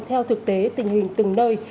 theo thực tế tình hình từng nơi